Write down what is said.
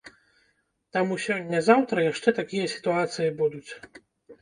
Таму сёння-заўтра яшчэ такія сітуацыі будуць.